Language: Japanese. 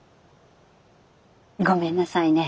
ごめんなさいね。